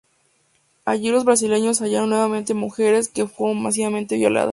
Allí los brasileños hallaron nuevamente mujeres, que fueron masivamente violadas.